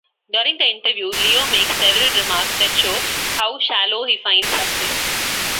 During the interview Leo makes several remarks that show how shallow he finds success.